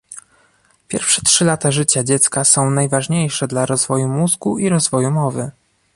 Pierwsze trzy lata życia dziecka są najważniejsze dla rozwoju mózgu i rozwoju mowy